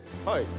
はい。